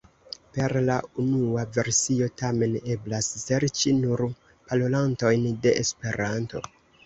Per la unua versio tamen eblas serĉi nur parolantojn de Esperanto.